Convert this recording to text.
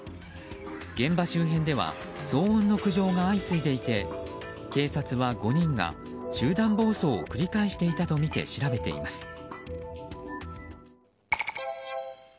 現場周辺では騒音の苦情が相次いでいて警察は５人が集団暴走を繰り返していたとみて調べています。